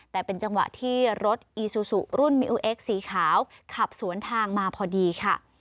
แต่เป็นจังหวะที่รถอีซูซูรุ่นมิูเอ็กสีขาวขับสวนทางมาพอดีค่ะ